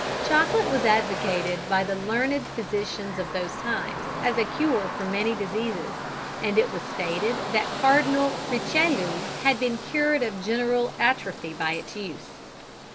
Chocolate was advocated by the learned physicians of those times as a cure for many diseases, and it was stated that Cardinal Richelieu had been cured of general atrophy by its use.